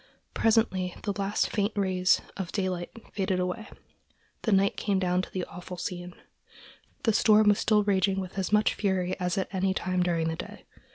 Presently the last faint rays of daylight faded away, and night came down upon the awful scene. The storm was still raging with as much fury as at any time during the day.